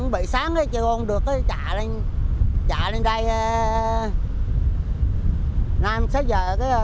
bị sáng chưa ôn được chạy lên đây sáu giờ